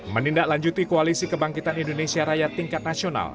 menindaklanjuti koalisi kebangkitan indonesia raya tingkat nasional